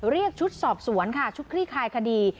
เรียกชุดสอบสวนค่ะชุดคลี่คลายคดี